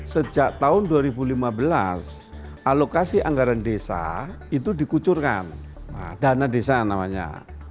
sejak tahun dua ribu lima belas alokasi anggaran desa itu dikucurkan dana desa namanya